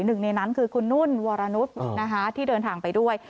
หนึ่งในนั้นคือคุณนุ่นวรนุษย์ที่เดินทางไปด้วย